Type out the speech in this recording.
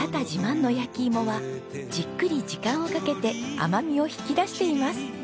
自慢の焼き芋はじっくり時間をかけて甘みを引き出しています。